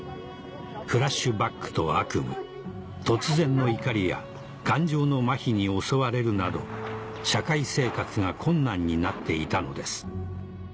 フラッシュバックと悪夢突然の怒りや感情のまひに襲われるなど社会生活が困難になっていたのです